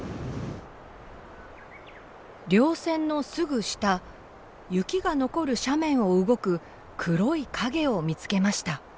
稜線のすぐ下雪が残る斜面を動く黒い影を見つけました。